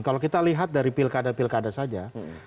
kalau kita lihat dari pilkada pilkada saja